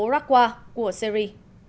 raqqa của syri